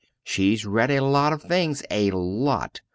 She's read a lot of things a lot!